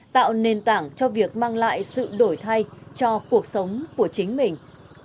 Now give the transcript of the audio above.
tạo nền tảng cho việc mang lại sự đổi thay cho cuộc sống của chính mình